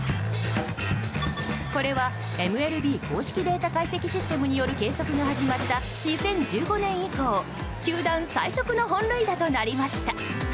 これはＭＬＢ公式データ解析システムによる計測が始まった２０１５年以降球団最速の本塁打となりました。